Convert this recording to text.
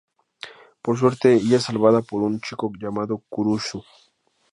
Por suerte, ella es salvada por un chico llamado Kurusu.